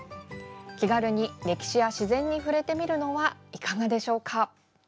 気軽に歴史や自然に触れてみるのはいかがでしょうか。